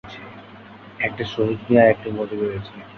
একটি শহীদ মিনার, একটি মসজিদ রয়েছে।